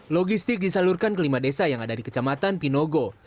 logistik disalurkan kelima desa yang ada di kecamatan pinogo